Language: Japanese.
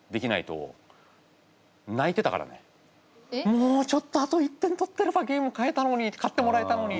もうちょっとあと１点取ってればゲーム買えたのに買ってもらえたのに。